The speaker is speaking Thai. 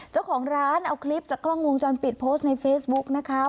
เจ้าของร้านเอาคลิปจากกล้องวงจรปิดโพสต์ในเฟซบุ๊กนะคะ